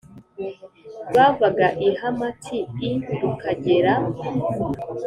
rwavaga i Hamati i rukagera